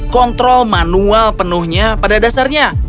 kontrol manual penuhnya pada dasarnya